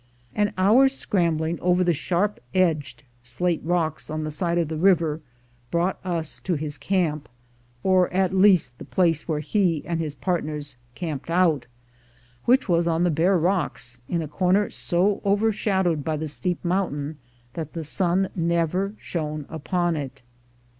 An hour's scrambling over the sharp edged slate rocks on the side of the river brought us to his camp, or at least the place where he and his partners camped out, which was on the bare rocks, in a corner so over shadowed by the steep mountain that the sun never shone upon it.